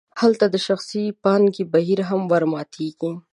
هلته د شخصي پانګې بهیر هم ورماتیږي.